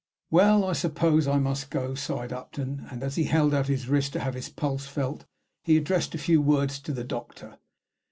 "Well, I suppose I must go," sighed Upton; and as he held out his wrist to have his pulse felt, he addressed a few words to the doctor.